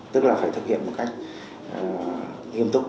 tức là phải thực hiện một cách nghiêm túc